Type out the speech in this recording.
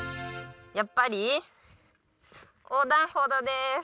やっぱり横断歩道です